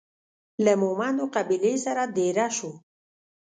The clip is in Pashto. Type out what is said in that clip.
له مومندو قبیلې سره دېره سو.